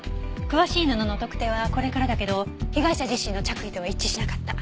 詳しい布の特定はこれからだけど被害者自身の着衣とは一致しなかった。